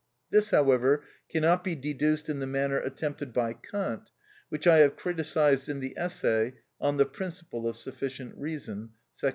This, however, cannot be deduced in the manner attempted by Kant, which I have criticised in the essay on "The Principle of Sufficient Reason," § 23.